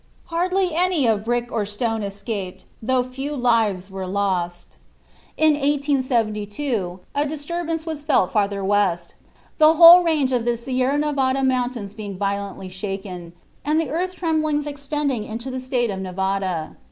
Hardly any of brick or stone escaped injury, though few lives were lost. In 1872 a disturbance was felt farther west, the whole range of the Sierra Nevada mountains being violently shaken and the earth tremblings extending into the State of Nevada.